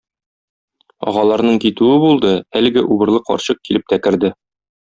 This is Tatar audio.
Агаларының китүе булды, әлеге убырлы карчык килеп тә керде.